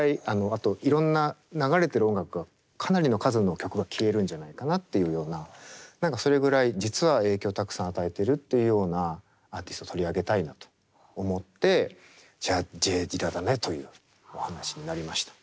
あといろんな流れてる音楽がかなりの数の曲が消えるんじゃないかなっていうような何かそれぐらい実は影響をたくさん与えてるというようなアーティスト取り上げたいなと思ってじゃあＪ・ディラだねというお話になりました。